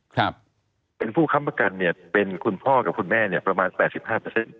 ครับเป็นผู้ค้ำประกันเนี่ยเป็นคุณพ่อกับคุณแม่เนี่ยประมาณแปดสิบห้าเปอร์เซ็นต